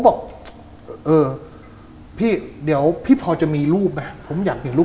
บอกเออพี่เดี๋ยวพี่พอจะมีรูปไหมผมอยากเปลี่ยนรูป